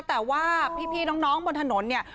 แต่ว่าพี่น้องบนถนนเนี่ย